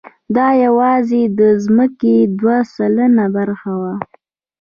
دا یواځې د ځمکې دوه سلنه برخه وه.